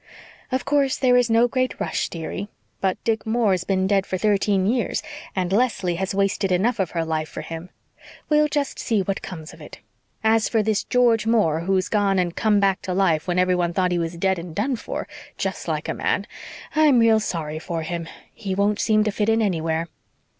"Of course there is no great rush, dearie. But Dick Moore's been dead for thirteen years and Leslie has wasted enough of her life for him. We'll just see what comes of it. As for this George Moore, who's gone and come back to life when everyone thought he was dead and done for, just like a man, I'm real sorry for him. He won't seem to fit in anywhere."